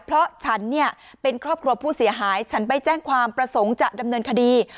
เพราะฉันเนี่ยเป็นครอบครัวผู้เสียหายฉันไปแจ้งความประสงค์จะดำเนินคดี